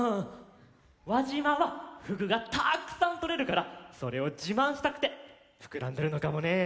わじまはふぐがたくさんとれるからそれをじまんしたくてふくらんでるのかもねえ。